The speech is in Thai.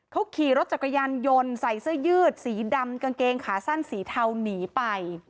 เขาขี่รถจักรยานยนต์ใส่เสื้อยืดสีดำกางเกงขาสั้นสีเทาหนีไป